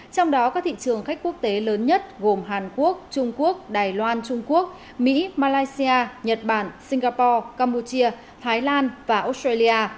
trong đó các thị trường khách quốc tế lớn nhất gồm hàn quốc trung quốc đài loan trung quốc mỹ malaysia nhật bản singapore campuchia thái lan và australia